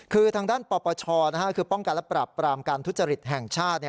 คือทางด้านปปชในภาแลปราำการทุจริตแห่งชาติ